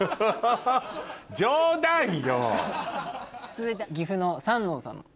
続いては岐阜の三納さん。